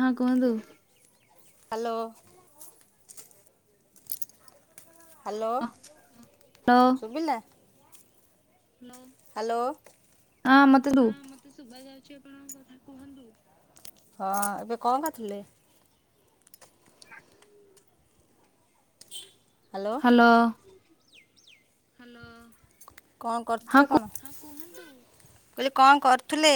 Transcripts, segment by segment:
ହଁ, କୁହନ୍ତୁ? Hello. Hello Subila, hello. ହଁ ମତେ ରୁ ହଁ ଏବେ କଣ କରିଥିଲେ? ହାଲୋ। ହାଲୋ କଣ କରୁଥିଲେ କଣ? କହିଲି କଣ କରୁଥିଲେ?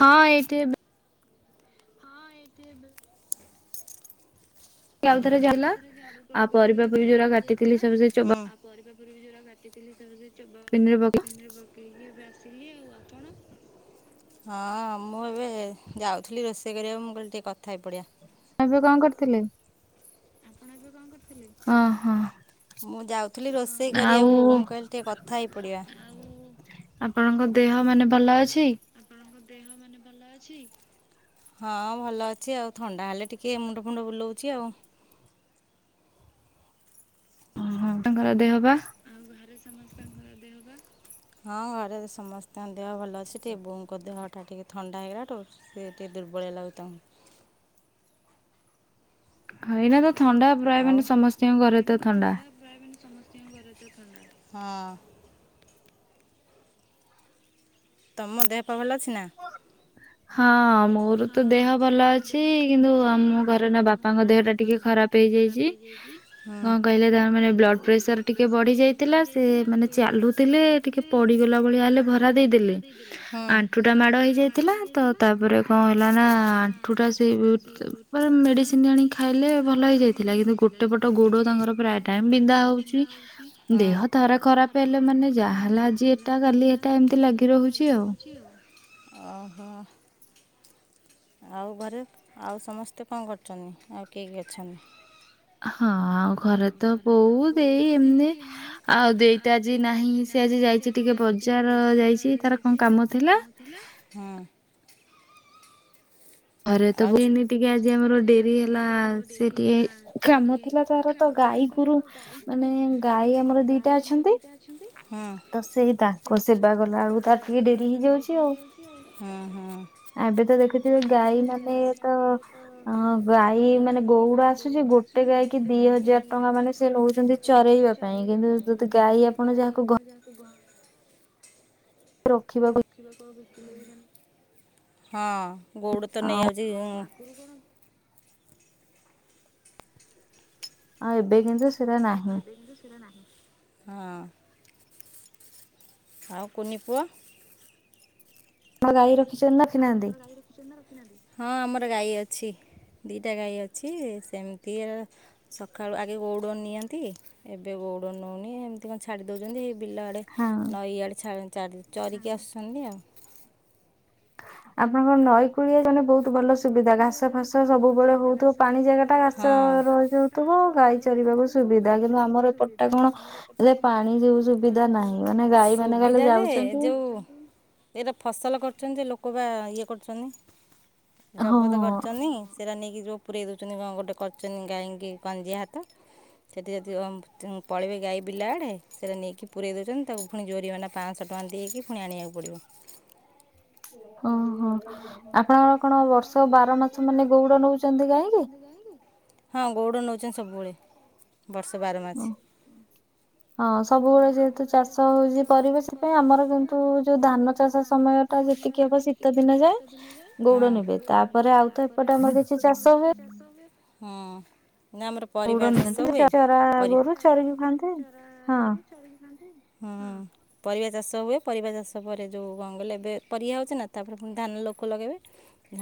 ହଁ ଏଇଠି ଏବେ ଇ ଆଉ ଥରେ ଯାଇନ, ଆଉ ପରିବା ପାଇଁ ଯୋଉରା କାଟିଥିଲି ସବୁ ସେ ଚୋବ୍ ପରିବା ଯୋଉରା କାଟିଥିଲି, ସେଇରା ସେ ଚବ, ଦିନରେ ପକେଇକି ସିଲି ଆଉ ଆପଣ? ହଁ। ମୁଁ ଏବେ ଯାଉଥିଲି ରୋଷେଇ କରିବାକୁ। ମୁଁ କହିଲି ଟିକେ କଥା ହେଇପଡିବା। ଏବେ କଣ କରିଥିଲେ? ହ ହଁ। ମୁଁ ଯାଉଥିଲି ରୋଷେଇ କରିବାକୁ। ମୁଁ କହିଲି ଟିକେ କଥା ହେଇ ପଡିବା। ଆପଣଙ୍କ ଦେହ, ମାନେ ଭଲ ଅଛି? ଭଲ ଅଛି। ହଁ ଭଲ ଅଛି। ଆଉ ଥଣ୍ଡା ହେଲେ ଟିକେ ମୁଣ୍ଡ, ଫୁଣ୍ଡ ବୁଲଉଛି ଆଉ। ଓହୋ ତାଙ୍କର ଦେହ ପା? ହଁ ଘରେ ସମସ୍ତଙ୍କ ଦେହ ଭଲ ଅଛି। ଟିକେ ବୋଉଙ୍କ ଦେହ ଟା, ଟିକେ ଥଣ୍ଡା ହେଇଗଲାଠୁ, ସେ ଟିକେ ଦୁର୍ବଳିଆ ଲାଗୁଚି ତାଙ୍କୁ। ଏଇନା ତ ଥଣ୍ଡା ପ୍ରାୟ, ମାନେ ସମସ୍ତଙ୍କ ଘରେ ତ ଥଣ୍ଡା। ହଁ। ତମ ଦେହ ପା ଭଲ ଅଛି ନା? ହଁ, ମୋର ତ ଦେହ ଭଲ ଅଛି। କିନ୍ତୁ ଆମ ଘରେ ନା, ବାପାଙ୍କ ଦେହ ଟା ଟିକେ ଖରାପ ହେଇଯାଇଛି। କହିଲେ ତା ମାନେ ବ୍ଲଡ଼ ପ୍ରେସର, ଟିକେ ବଢି ଯାଇଥିଲା। ସେ ମାନେ ଚାଲୁଥିଲେ, ଟିକେ ପଡିଗଲା ଭଳିଆ ତାହା ହେଲେ ଭରାଦେଇଦେଲେ, ଆଣ୍ଠୁ ଠୁ, ଟା ମାଡ଼ ହେଇଯାଇଥିଲା। ତ ତାପରେ କଣ ହେଲା ନା ଠୁ ଟା ସେ, ମାନେ ମେଡ଼ିସିନ ଆଣି ଖାଇଲେ ଭଲ ହେଇଯାଇଥିଲା। କିନ୍ତୁ ଗୋଟେ ପଟ ଗୋଡ଼ ତାଙ୍କର ପରା ପ୍ରାୟ ଟାଇମ୍ ବିନ୍ଧା ହଉଚି। ଦେହ ଥରେ ଖରାପ ହେଲେ, ମାନେ ଯାହା ହେଲା ଆଜି ଏଟା କାଲି ହେଟା। ଏମତି ଲାଗି ରହୁଛି ଆଉ। ଓହୋ। ଆଉ ଘରେ ଆଉ ସମସ୍ତେ କଣ କରୁଛନ୍ତି? ଆଉ କିଏ, କିଏ ଅଛନ୍ତି? ହଁ ଆଉ ଘରେ ତ ବୋଉ, ଦେଇ ଏମତି, ଆଉ ଦେଇ ଟା ଆଜି ନାହିଁ। ସେ ଆଜି ଯାଇଛି, ଟିକେ ବଜାର ଯାଇଛି। ତାର କଣ କାମ ଥିଲା ଆଛଆ। ହୁଁ। ହୁଁ ହୁଁ। ଗଈ ମାନେ ତ ଅ ଗାଈ ମାନେ ଗଉଡ ଆସୁଚି ଗୋଟେ ଗାଈ କି ଦି ହଜାର ଟ ଟଙ୍କା ମାନେ ସେ ନଉଚନ୍ତି ଚରେଇବା ପାଇଁ କିନ୍ତୁ ଯଦି ଗାଈ ଆପଣ ଯାହାକୁ ଘ ରୋକିବାକୁ ଉ ବିକିଲେ ବି ହଁ ଗୋଉଡ଼ ତ ନେଇଯାଉଚି। ଆଉ ଏବେ କିନ୍ତୁ ହ ବିନ୍ଦୁ ସିର ନାହିଁ। ହଁ ଆଉ କୁନି ପୁଅ? ମଗାଇ ରଖ ହଁ ଆମର ଗାଈ ଅଛି। ଦିଇଟା ଗାଈ ଅଛି ସେମିତି ସକାଳୁ ଆଗେ ଗଉଡ଼ ନିଅନ୍ତି ଏବେ ଗ ପଉଡ ନଉନି ଏମିତିକା ଛାଡି ଦଉଚନ୍ତିଇ। ବିଲ ଆଡ଼େ ନଈ ଆଡ଼େ ଛ ଚରିକି ଆସୁଚନ୍ତି ଆଉ। ଆପଣଙ୍କର ନଈ ପୁଳିଆ ଜମି ବହୁତ ଭଲ ସୁବିଧା ଘାସ ଫାସ ସବୁବେଳେ ହଉଥିବ ପାଣି ଜାଗା ଟା ଘାସ ରହିଯାଉଥିବ। ଗାଈ ଚରିବାକୁ ସୁବିଧା କିନ୍ତୁ ଆମର ଏପଟଟା କଣ ଏ ପାଣି ଯୋଉ ସୁବିଧା ନାହିଁ ମାନେ ଗ ଗାଈ ମାନେ ଗଲେ ଯାଉଚନ୍ତି। ଏଇତ ଫସଲ କ ଲୋକ ବା ଇଏ କରୁଚନ୍ତି ଜବତ କରଚନ୍ତି ସେଇଟା ନେଇକି ଯୋଉ ପୁରୀଇ ଦଉଚନ୍ତି ଗୋଟେ କରଚନ ଗାଈକି କଞ୍ଜିଆ ହାତ। ସେଠି ଯଦି ଆ ପଳେଇିବେ ଗାଈ ବିଲ ଆଡେ ସେଇଟା ନେଇକି ପୁରେଇ ଦଉଚନ୍ତି ତାକୁ ପୁଣି ଜୋରିମାନା ପାନ୍ ଶହ ଟ ବଂଧେଇକି କି ପୁଣି ଆଣିବାକୁ ପଡ଼ିିବ। ଓହୋ ଆପଣଙ୍କର କଣ ବର୍ଷ ବାର ମାସ। ସେମାନେ ଗଉଡ ନଉଚନ୍ତି ଗାଈକୁ ଗଉଡ଼ ନଉଚନ୍ତି ସବୁବେଳେ ବର୍ଷକ ବାର ମାସ। ହଁ ସବୁବେଳେ ଯେହେତୁ ଚାଷ ହଉଚି ପରିବେଶ ପାଇଁ ଆମର କିନ୍ତୁ ଯୋଉ ଧାନ ଚାଷ ସମୟ ଟା ସେତିକି ହବ ଶୀତ ଦିନ ଯାଏ ଗୋଉଡ ନେବେ ତାପରେ ହଁ। ଉଡ ନିଅନ୍ତି ଚରା ଗୋରୁ ଚରିକି ଖାଆନ୍ତି ହଁ। ହୁଁ ପରିବା ଚାଷ ହୁଏ, ପରିବା ଚାଷ ପରେ ଯୋଉ କଣ କଲେ ଏବେ ପରିବା ହଉଛି ନା ତାପରେଣି ଧାନ ଲୋ ଲୋକ ଲଗାଇବେ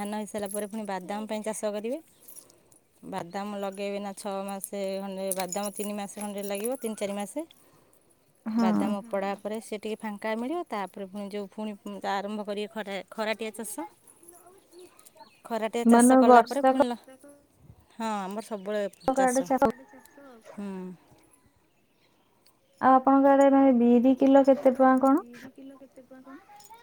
ଧାନ ହୋଇସାରିଲା ପରେ ପୁଣି ବାଦାମ ପାଇଁ ଚାଷ କରିବେ। ବାଦାମ ଲଗାଇବେ ନା ଛଅ ମାସେ ଖଣ୍ଡେ ବାଦାମ ତିନି ମାସ ଖଣ୍ଡେ ଲାଗିବ ତିନି ଚାରି ମାସେ ବାଦାମ ପଡ଼ା ପରେ ସେ ଟିକେ ଫାଙ୍କା ମିଳିବ ତାପରେ ପୁଣି ଯେଉଁ ଫୁଣି ତା ଆରମ୍ଭ କରିବେ ଖରା ଖରାଟିଆ ଚାଷ। ଖରାଟିଆ ଚାଷ କଲା ପରେ ଫୁଲ ହଁ ଆମର ସବୁଳେ ଚାଷ ହୁଁ। ଆଉ ଆପଣଙ୍କ ଆଡେ ବିରି କିଲୋ କେତେ ଟଙ୍କା କଣ?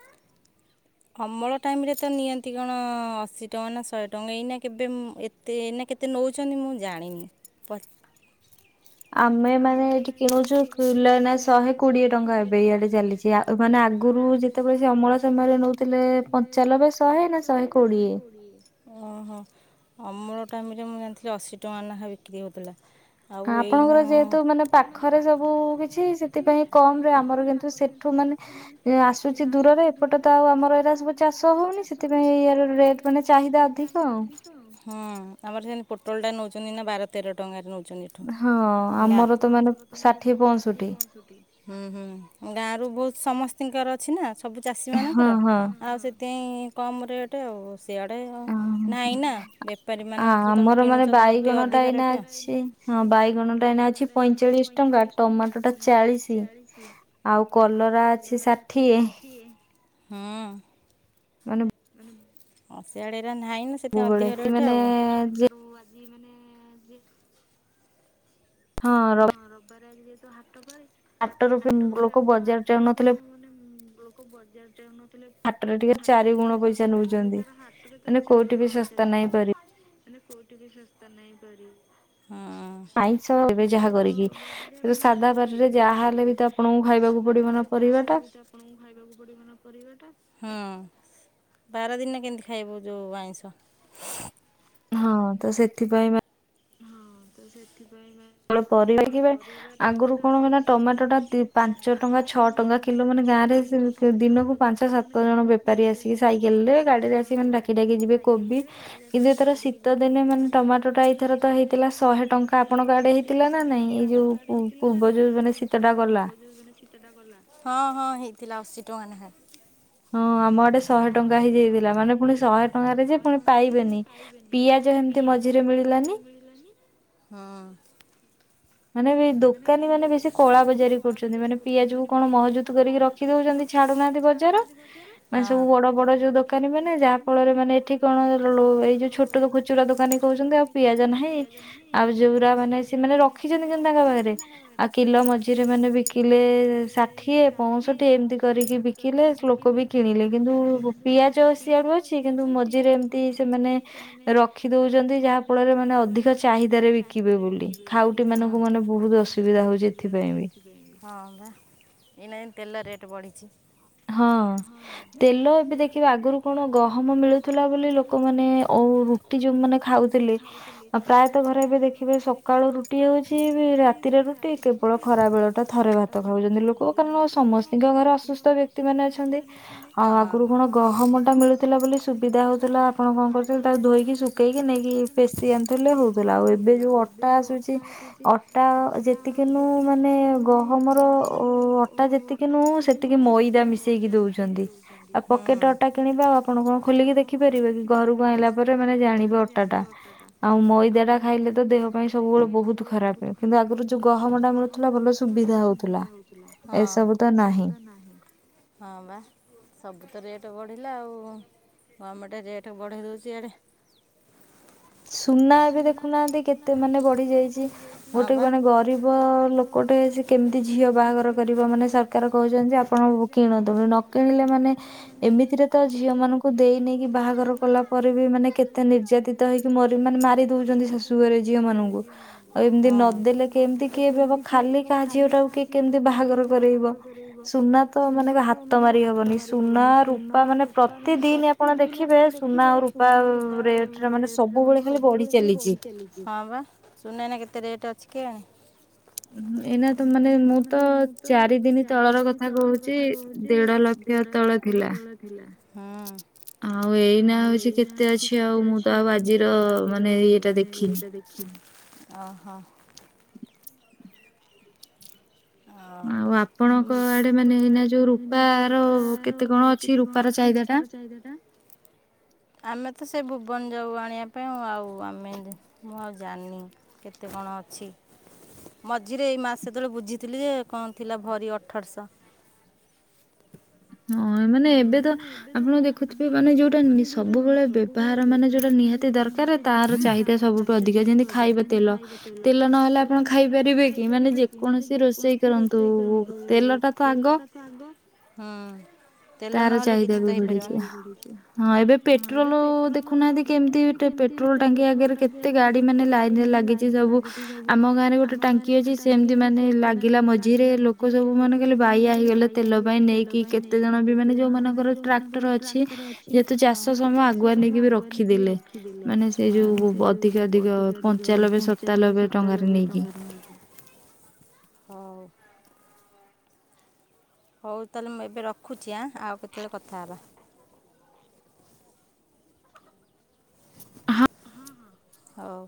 [inaudible] ଅମଳ ଟାଇମରେ ତ ନିଅନ୍ତି କଣ ଅଶୀ ଟଙ୍କା ନା ଶହେ ଟଙ୍କା ଏଇନା କେବେ ଏତେ ଏଇନା କେତେ ନଉଚନ୍ତି ମୁ ଜାଣିନି, ପ ଆମେ ମାନେ ଏଠି କିଣୁଛଚୁ କିଲ ନା ଶହେ କୋଡିଏ ଟଙ୍କା ଏବେ ଇଆଡେ ଚାଲିଚି ମାନେ ଆଗ ମାନେ ଆଗରୁ ଯେତେବେଳେ ସେ ଅମଳ ସମୟରେ ନଉଥିଲେ ପଞ୍ଚାନବେ ଶହେ ଏବେ ଶହେ କୋଡିଏଁ। ଓହୋ। ଅମଳ ଟାଇମରେ ମୁଁ ଜାଣିଥିଲି ଅଶୀ ଟଙ୍କା ନାଖା ବିକ୍ରି ହଉଥିଲା ଆଉ ଏଇନା ମାନେ ପାଖରେ ସବୁ କିଛି ସେଥିପାଇଁ କମରେ ଆମର କିନ୍ତୁ ସେଠୁ ମାନେ ଆସୁଛି କିଛି ଦୂରରେ ଏପଟେ ତ ଆଉ ଆମର ଏଇଟା ସବୁ ଚାଷ ହଉନି ସେଥିପାଇଁ ଏଇାର ରେଟ୍ ମାନେ ଚାହିଦା ଅଧିକ ଆଉ। ହୁଁ ଆମର ସେମିତି ପୋଟଳ ଟା ନଉଚନ୍ତି ନା ବାର ତେର ଟଙ୍କାରେ ନଉ ହଁ ଆମର ହୁଁ ହୁଁ ଗାଁରୁ ବୋହୁତ୍ ସମସ୍ତିଙ୍କର ଅଛିନା ସବୁ ଚାଷୀମାନଙ୍କର ଆଉ ସେଥିପାଇଁ କମ୍ ରେଟେ ଆଉ। ସଆଡ଼େ ଆଉ ନାହିଁ ନା ବେପାରୀମାନଙ୍କଠୁ ତମେ କିଣୁଛ ତୁମର ଟିକେ ଅଧିକା ରେଟେ। ହଁ ବାଇଗଣଟା ଏଇନା ଅଛି ପଇଁଚାଳିଶ ଟଙ୍କା ଟମାଟୋଟା ଚାଳିଶି। ଆଉ କଲରା ଅଛି ଷାଠିଏ। ହଁ। ମାନେ ଅ-ସିଆଡେ ଏରା ନାହିଁ ନା ସେଥିପାଇଁ ଅଧିକ ରେଟେ ଆଉ। ଏଇ ମାନେ ଯେ ହଁ ର କରେ ଆଜି ଯେହେତୁ ହାଟ ପାଳି ହାଟରୁ ବି ଆପଣ ଆଗରୁ କଣ ମାନେ ଲୋକ ବ ଯାର ଯାଉନ ହେଲେ ହାଟରେ ଟିକେ ଶସ୍ତା କିନ୍ତୁ ତାର ହାଟରେ ତାର ଚାରିଗୁଣ ପଇସା ନୋଉଚନ୍ତି। ମାନେ କେଉଠି ବି ଶସ୍ତା ନାହିଁ ପରି ଆଇଁଷ ବେ ଯାହା କରିକି କିନ୍ତୁ ସାଧା ବାରରେ ଯାହା ହେଲେ ବି ତ ଆପଣଙ୍କୁ ଖାଇବାକୁ ପଡିବ ନା ପରିବାଟା ଖାଇବାକୁ ପଡିବନା ପରିବାଟା ହୁଁ ବାର ଦିନରେ କେମତି ଖାଇବୁ ଯୋଉ ଆଇଁଷ। ହଁ ତ ସେଥିପାଇଁ ବା ହଁ ତ ସେଥିପାଇଁ ମା ପରିବା [unintelligible] ଆଗରୁ କଣ ହୁଏ ନା ଟମାଟୋଟା ଦି-ପାଞ୍ଚଟଙ୍କା ଛଅଟଙ୍କା କିଲୋ ମାନେ ଗାଁରେ ଏଟା ବି ସେମତି ଦିନକୁ ପାଞ୍ଚ ସାତ ଜଣ ବେପାରୀ ଆସିକି ସାଇକେଲରେ ଗାଡିରେ ଆସିକ ମାନେ ଡାକି ଡାକି ଯିବେ କୋବ୍ ବି କିନ୍ତୁ ଏଥର ଶୀତ ଦିନେ ମାନେ ଟମାଟୋଟା ଏଥର ତ ହେଇଥିଲା ଶହେ ଟଙ୍କା ଆପଣ ତ ହେଇଥିଲା ଶହେ ଟଙ୍କା ଆପଣଙ୍କ ଆଡେ ହେଇଥିଲା ନା ନାହିଁ ଏଇ ଯୋଉ ପୂ-ପୂର୍ବ ଯୋଉ ଦିନ ଶୀତଟା ଗଲା ହଁ ହେଇଥିଲା ଅଶୀଟଙ୍କା ନେଖାଁ। ହଁ ଆ ଆମ ଆଡେ ଶହେ ଟଙ୍କା ହେଇଯାଇଥିଲା ମାନେ ପୁଣି ଶହେ ଟଙ୍କାରେ ଯେ ପୁଣି ପାଇବେନି ପିଆଜ ହେମିତି ମଝି ରେ ମିଳିଲାନି। ହଁ। ମାନେ ବି ଦୋକାନୀମାନେ ବେଶୀ କଳା ବଜାରୀ କରୁଚନ୍ତି ମାନେ ପିଆଜକୁ କଣ ମହଜୁଦ କରିକି ରଖି ଦୋଉଚନ୍ତି ଛା ଛାଡୁନାହାନ୍ତି ବଜାର ମାନେ ସବୁ ବଡ ବଡ ଯୋଉ ଦୋକାନୀମାନେ ଯାହା ଫଳରେ ମାନେ ଏଠି କଣ ଲୋ ଏଇ ଯୋଉ ଛୋଟ କୁଚୁରା ଦୋକାନୀ କୋହୁଚନ୍ତି ଆଉ ପିଆଜା ନାହିଁ ଆଉ ଯୋଉରା ମାନେ ସେମାନେ ରଖି ଆମ ପାଖରେ ଆଉ କିଲୋ ମଝିରେ ମାନେ ବିକିଲେ ଷାଠିଏ ପଁଷଠି ଏମତି କରିକି ବି ବିକିଲେ ଲୋକ ବି କିଣିଲେ କିନ୍ତୁ ପିଆଜ ସିଆଡୁ ଅଛି କିନ୍ତୁ ମଝିରେ ଏମତି ସେମାନେ ରଖିଦୋଉଚନ୍ତି ଯାହା ଫଳରେ ମାନେ ଅଧିକ ଚାହିଦାରେ ବିକିବେ ବୋଲି ଖାଉଟି ଲୋକମାନଙ୍କୁ ମାନେ ବୋହୁତ ଅସୁବିଧା ହୋଉଚି ଏଥିପାଇଁକି। ହଁ ହଁ ତେଲ ଏବେ ଦେଖିବା ଆଗରୁ କଣ ଗହମ ମିଳୁଥିଲା ବୋଲି ଲୋକମାନେ ଓ ରୁଟି ଯୋଉମାନେ ଖାଉଥିଲେ ଆଉ ପ୍ରାୟତଃ ଘରେ ଏବେ ଦେଖିବେ ସକାଳୁ ରୁଟି ହୋଉଛି। କିବି ରାତିରେ ରୁଟି କେବଳ ଖରାବେଳଟା ଥରେ ଭାତ ଖାଉଚନ୍ତି ଲୋକ କାରଣ ସମସ୍ତିଙ୍କ ଘରେ ଅସୁସ୍ଥ ବ୍ୟ ତିମାନେ ଅଛନ୍ତି ଆଉ ଆଗରୁ କଣ ଗହମଟା ମିଳୁଥୁଲା ବୋଲି ସୁବିଧା ହୋଉଥୁଲା ଆପଣ କଣ କରୁଥିଲେ ତା ଧୋଇକି ଶୁକେଇକି ନେଇକି ପେଶି ଆଣିଥୁଲେ ହୋଉଥୁଲା ଆଉ ଏବେ ଯୋଉ ଅଟା ଆସୁଚି ଅଟା ଯେତିକି ନୋଉ ମାନେ ଗହମର ଅଟା ଯେତିକି ନୋଉ ସେତିକି ମଇ ଇଦା ମିଶେଇକି ଦୋଉଚନ୍ତି ଆଉ ପକେଟ ଅଟା କିଣିବା ଆଉ ଆପଣ କଣ ଖୋଲିକି ଦେଖି ପାରିବେ କି ଘରକୁ ଆଇଁଲା ତାପରେ ମାନେ ଜାଣିବେ ଅଟାଟା ଆଉ ମଇଦାଟା ଖାଇଲେ ତ ଦେହ ପାଇଁ ସବୁବେଳେ ବୋହୁତ ଖରାପ। ଖରାପେ କିନ୍ତୁ ଆଗରୁ ଯୋଉ ଗହମଟା ମିଳୁଥିଲା ଭଲ ସୁବିଧା ହୋଉଥୁଲା ଏସବୁ ତ ନାହିଁ। ହଁ ପା। ସବୁ ତ ରେଟ୍ ବଢ଼ିଲା ଆଉ ଗର୍ମେଣ୍ଟେ ରେଟେ ବଢ଼େଇ ଦୋଉଚି ୟାଡ଼େ ସୁନା ଏବେ ଦେଖୁନାହାନ୍ତି କେତେ ମାନେ ବଢି ଯାଇଚି। ଗୋଟେ ମାନେ ଗରିବ ଲୋକଟେ ସେ କେମତି ଝିଅ ବାହାଘର କରିବ ମାନେ ସରକାର କହୁଚ ଆପଣ କିଣନ୍ତୁ ନ କିଣିଲେ ମାନେ ଏମିତିରେ ତ ଝିଅ ମାନଙ୍କୁ ଦେଇ ନେଇକି ବାହାଘର କଲେ ଗଲା ପରେ ବି ମାନେ କେତେ ନିର୍ଯାତିତ ହେଇକି ମରି ମାନେ ମାରି ଦଉଛନ୍ତି ଶାଶୁ ଘରେ ଝିଅ ମାନଙ୍କୁ। ଆଉ ଏମିତି ନଦେଲେ କେ କେମିତି କିଏ ଦେବ ଖାଲି କାହା ଝିଅ ଟାକୁ କିଏ କେମିତି ବାହାଘର କରେଇବ। ସୁନା ତ ମାନେ ହାତ ମାରି ହବନି। ସୁନା ରୂପା ମାନେ ପ୍ରତିଦିନ ଆପଣ ଦେଖିବେ ସୁନା ସୁନା, ରୂପା ରେଟ ରେ ମାନେ ମାନେ ସବୁବେଳେ ଖାଲି ବଢିଚାଲିଛି। ହଁପା ସୁନା ଏଇନା କେତେ ରେଟ ଅଛି କେଜାଣି? [inaudible] ଏଇନା ତ ମାନେ ମୁଁ ତ ଚାରି ଦିନ ତଳର କଥା କହୁଛି ଦେଢ ଲକ୍ଷ [unintelligible] ତଳେ ହେତେବେଳେ ଥିଲା। ହଁ। ଆଉ ଏଇନା ହଉଛି କେତେ ଅଛି ଆଉ ମୁଁ ତ ଆଜିର ମାନେ ଏଇଟା ଦେଖିନି। ଓହୋ। ଆଉ ଆପଣଙ୍କ ଆଡେ ମାନେ ଏଇନା ଯୋଉ ରୂପାର କେତେ କଣ ଅଛି ରୂପାର ଚାହିଦା? ରୂପାର ଚାହିଦା ଟା। ଆମେ ସେ ଭୁବନ ଯାଉ ଆଣିବା ପାଇଁ ଆଉ ଆମେ ଜାଣିନି କେତେ କଣ ଅଛି? ମଝିରେ ଏଇ ମାସ ସେତେବେଳେ ବୁଝି ଥିଲି ଯେ କଣ ଥିଲା ଭରି ଅଠରଶ। ହଁ ମାନେ ଏବେ ତ ଆପଣ ଦେଖୁଥିବେ ମାନେ ଯୋଉଟା ସବୁବେଳେ ବ୍ୟବହାର ମାନେ ଯୋଉଟା ନି ନିହାତି ଦରକାର ତାହାର ଚାହିଦା ସବୁଠୁ ଅଧିକା। ଯେମିତି ଖାଇବା ତେଲ, ତେଲ ନହେଲେ ଆପଣ ଖାଇପାରିବେ ପାରିବେ କି ମାନେ ଯେକୌଣସି ରୋଷେଇ କରନ୍ତୁ ତେଲ ଟା ଆ। [inaudible] ତାର ଚାହିଦା ବି ବଢିଯିବ। ହଁ ଏବେ ପେଟ୍ରୋଲ ଦେଖୁନାହାନ୍ତି କେମତି ପେ ପେଟ୍ରୋଲ ଟାଙ୍କି ଆଗରେ କେତେ ଗାଡି ମାନେ ଲାଇନ ରେ ଲାଗିଛି ସବୁ ଆମ ଗାଁରେ ଗୋଟେ ଟାଙ୍କି ଅଛି ସେମତି ମାନେ ଲାଗିଲା ମଝିରେ ଲୋକ ସବୁ ମାନେ କହିଲେ ବାଇଆ ହେଇଗଲେ ତେଲ ପାଇଁ ନେଇକି କେତେ ଜଣ ମାନେ ଯୋଉମାନଙ୍କର ଟ୍ରାକ୍ଟର ଅଛି ଯେହେତୁ ଚାଷ ସମୟ ଆଗୁଆ ନେଇକି ବି ରଖିଦେଲେ। ମାନେ ସେଇ ଯୋଉ ଅଧିକା ଅଧିକ ପଞ୍ଚାାନବେ ସତାନବେ ଟଙ୍କାରେ ହଉ। ହଉ ତାହେଲେ ମୁଁ ଏବେ ରଖୁଛି ଆଁ। ଆଉ କେତେବେଳେ କଥା ହେବା। ହଉ।